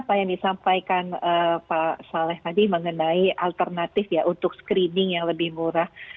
saya ingin mengingatkan kepada pak saleh tadi mengenai alternatif ya untuk screening yang lebih murah